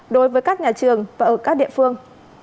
đối với các nhà trường và ở các địa phương